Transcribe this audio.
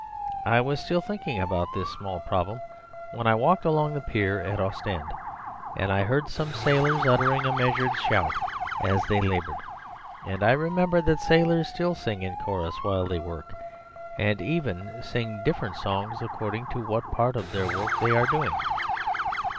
I was still thinking about this small problem when I walked along the pier at Ostend; and I heard some sailors uttering a measured shout as they laboured, and I remembered that sailors still sing in chorus while they work, and even sing different songs according to what part of their work they are doing.